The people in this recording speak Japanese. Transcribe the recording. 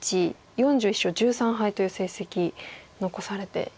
４１勝１３敗という成績残されていたりと。